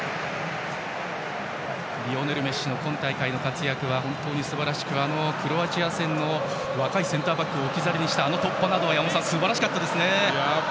リオネル・メッシの今大会の活躍は本当にすばらしくクロアチア戦で若いセンターバックを置き去りにした突破などはすばらしかったですね。